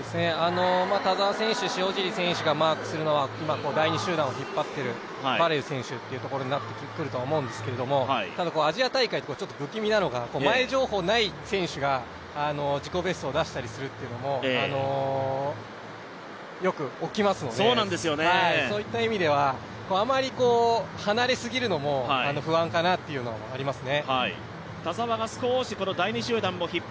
田澤選手、塩尻選手がマークするのは第２集団を引っ張っているバレウ選手になってくると思うんですけど、アジア大会、不気味なのが前情報ない選手が自己ベストを出したりするというのもよく起きますので、そういった意味では、あまり離れすぎるのも不安かなというのはありますね。